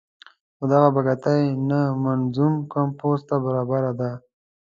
خو دغه بګتۍ نه منظوم کمپوز ته برابره ده.